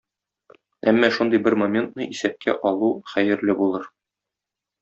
Әмма шундый бер моментны исәпкә алу хәерле булыр.